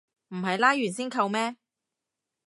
唔係拉完先扣咩